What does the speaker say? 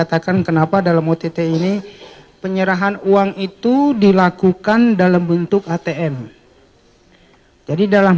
seperti jantung terhadap